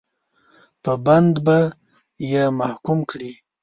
په بند به یې محکوم کړي.